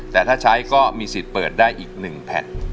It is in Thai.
แต่ถ้าใช้ก็มีสิทธิ์เปิดได้อีก๑แผ่น